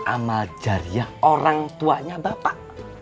amal jariah orang tuanya bapak